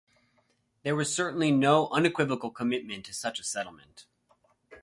There was certainly no unequivocal commitment to such a settlement.